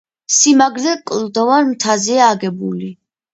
სიმაგრე კლდოვან მთაზეა აგებული.